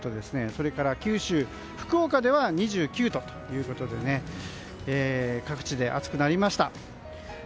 それから、九州福岡では２９度ということで各地で暑くなりました。